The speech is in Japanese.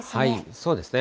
そうですね。